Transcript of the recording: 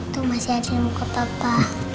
tuh masih ada luka papa